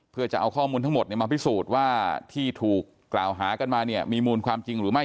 เพื่อจะเอาข้อมูลทั้งหมดมาพิสูจน์ว่าที่ถูกกล่าวหากันมาเนี่ยมีมูลความจริงหรือไม่